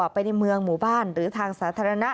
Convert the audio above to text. ไปในเมืองหมู่บ้านหรือทางสาธารณะ